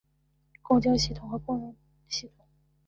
共晶系统或共熔系统。